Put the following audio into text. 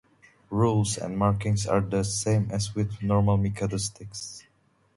Rules and markings are the same as with normal Mikado sticks.